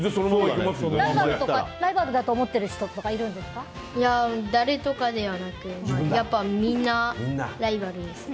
ライバルだと思ってる人とかいや、誰とかではなくやっぱりみんなライバルです。